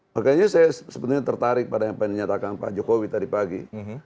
makanya saya sebetulnya tertarik pada apa yang dinyatakan pak jokowi tadi pagi